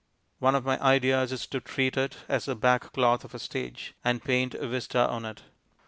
One of my ideas is to treat it as the back cloth of a stage, and paint a vista on it.